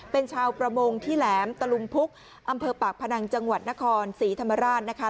เป็นชาวประมงที่แหลมตะลุงพุกอำเภอปากพนังจังหวัดนครศรีธรรมราชนะคะ